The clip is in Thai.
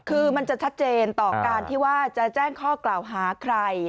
คือมันจะชัดเจนต่อการที่ว่าจะแจ้งข้อกล่าวหาใคร